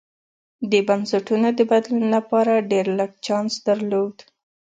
د بنسټونو د بدلون لپاره ډېر لږ چانس درلود.